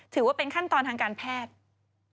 ถือว่าเป็นขั้นตอนทางการแพทย์